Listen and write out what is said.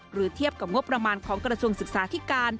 เทียบกับงบประมาณของกระทรวงศึกษาธิการ